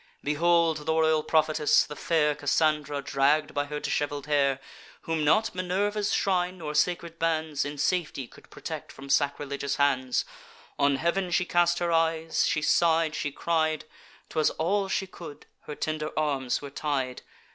Behold the royal prophetess, the fair Cassandra, dragg'd by her dishevel'd hair, Whom not Minerva's shrine, nor sacred bands, In safety could protect from sacrilegious hands: On heav'n she cast her eyes, she sigh'd, she cried, ('Twas all she could) her tender arms were tied.